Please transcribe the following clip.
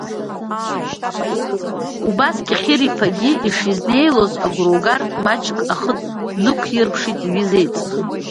Убас Кьахьыриԥагьы ишизнеилоз агәра угартә маҷк ахы днықәирԥшит иҩыза еиҵбы.